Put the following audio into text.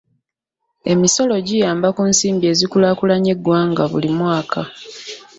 Emisolo giyamba ku nsimbi ezikulaakulanya eggwanga buli mwaka.